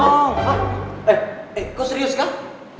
hah eh kok serius kak